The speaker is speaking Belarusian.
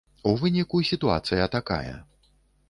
У выніку сітуацыя такая.